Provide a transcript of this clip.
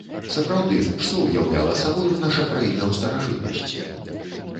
Сапраўды, што ўяўляла сабою наша краіна ў старажытнасці?